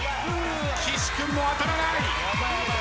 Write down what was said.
岸君も当たらない！